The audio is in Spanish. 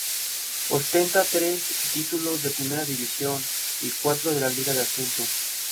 Ostenta tres títulos de Primera División y cuatro de la Liga de Ascenso.